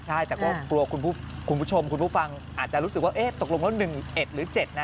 ใช่แต่ก็กลัวคุณผู้ชมคุณผู้ฟังอาจจะรู้สึกว่าตกลงแล้ว๑๑หรือ๗นะ